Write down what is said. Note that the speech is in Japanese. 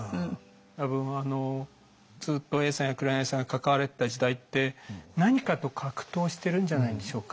多分ずっと永さんや黒柳さんが関われてた時代って何かと格闘しているんじゃないんでしょうか。